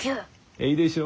えいでしょ？